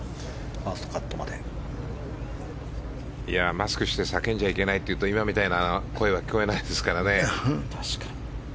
マスクをして叫んじゃいけないというと今みたいな声は聞こえないですからね。